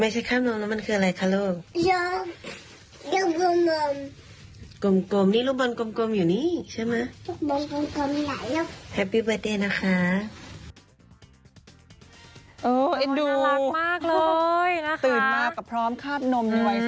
ตื่นมากก็พร้อมขาดนมสองขวบ